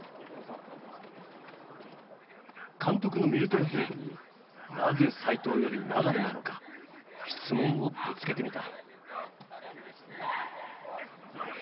監督のミルトン・ヘイグになぜ齋藤より流なのか質問をぶつけてみた。